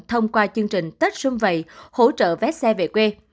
thông qua chương trình tết xuân vậy hỗ trợ vét xe về quê